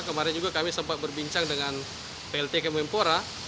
kemarin juga kami sempat berbincang dengan plt kemenpora